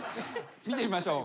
見てみましょう。